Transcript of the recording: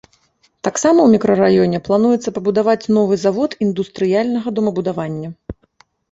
Таксама ў мікрараёне плануецца пабудаваць новы завод індустрыяльнага домабудавання.